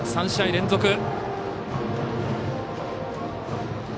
３試合連続。